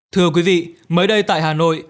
thưa quý vị mới đây tại hà nội